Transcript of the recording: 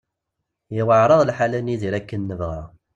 Yuɛer-aɣ lḥal ad nidir akken nebɣa.